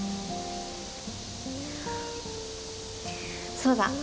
そうだ！